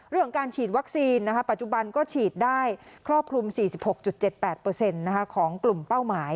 เรื่องการฉีดวัคซีนปัจจุบันก็ฉีดได้ครอบคลุม๔๖๗๘ของกลุ่มเป้าหมาย